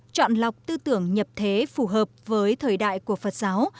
chọn lọc tư tưởng nhập thế phù hợp với thời đại của phật giáo